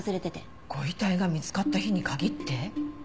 ご遺体が見つかった日に限って？